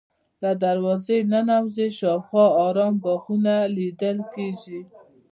له دروازې ننوځې شاوخوا ارام باغونه لیدل کېږي.